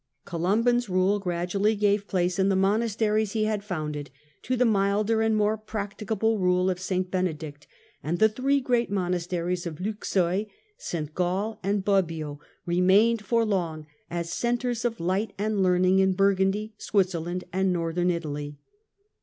Columban's rule gradually gave place in the monasteries he had founded to the milder and more practicable rule of St. Benedict, and the three great monasteries of Luxeuil, St. Gall and Bobbio remained for long as centres of light and learning in Burgundy, Switzerland and Northern Italy.